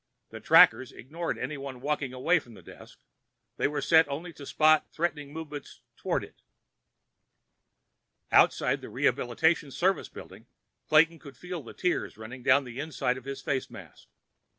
The trackers ignored anyone walking away from the desk; they were set only to spot threatening movements toward it. Outside the Rehabilitation Service Building, Clayton could feel the tears running down the inside of his face mask.